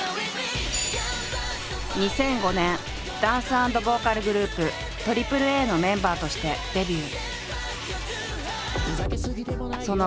２００５年ダンス＆ボーカルグループＡＡＡのメンバーとしてデビュー。